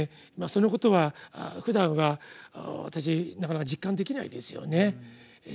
そのことはふだんは私なかなか実感できないですよね。